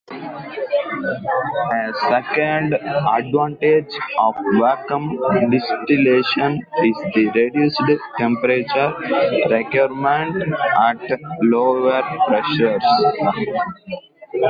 A second advantage of vacuum distillation is the reduced temperature requirement at lower pressures.